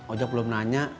ojak belum nanya